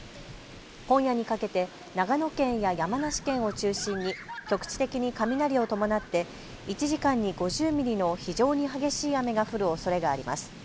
今夜にかけて長野県や山梨県を中心に局地的に雷を伴って１時間に５０ミリの非常に激しい雨が降るおそれがあります。